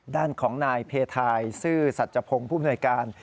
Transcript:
ด้านของนายเพทายซื่อสัจพงศ์ผู้มนวยการ